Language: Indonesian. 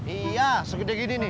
iya segedeh gini nih